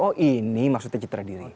oh ini maksudnya citra diri